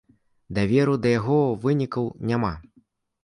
Даверу да яго вынікаў няма.